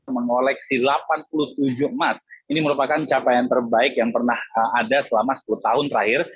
mengoleksi delapan puluh tujuh emas ini merupakan capaian terbaik yang pernah ada selama sepuluh tahun terakhir